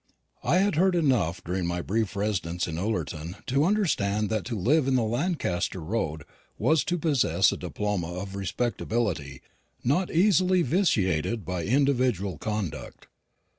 I had heard enough during my brief residence in Ullerton to understand that to live in the Lancaster road was to possess a diploma of respectability not easily vitiated by individual conduct.